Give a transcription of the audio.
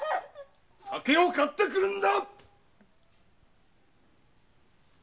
酒を買ってくるんだ！